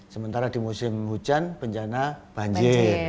sementara di musim hujan bencana banjir